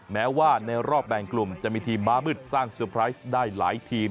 แม้ว่าในรอบแบ่งกลุ่มจะมีทีมม้ามืดสร้างเซอร์ไพรส์ได้หลายทีม